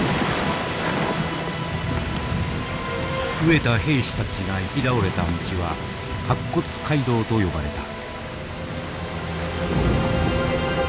飢えた兵士たちが生き倒れた道は白骨街道と呼ばれた。